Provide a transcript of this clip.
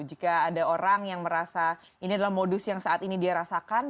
jika ada orang yang merasa ini adalah modus yang saat ini dia rasakan